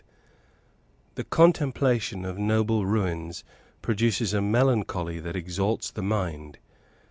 The contemplation of noble ruins produces a melancholy that exalts the mind.